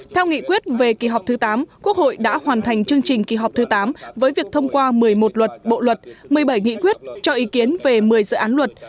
theo nghị quyết về kỳ họp thứ tám quốc hội đã hoàn thành chương trình kỳ họp thứ tám với việc thông qua một mươi một luật bộ luật một mươi bảy nghị quyết cho ý kiến về một mươi dự án luật